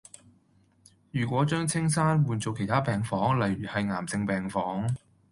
如果將青山換做其他病房例如係癌症病房